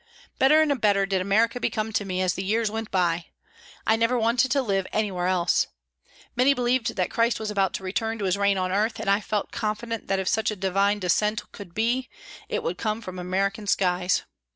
Better and better did America become to me as the years went by. I never wanted to live anywhere else. Many believed that Christ was about to return to His reign on earth, and I felt confident that if such a divine descent could be, it would come from American skies.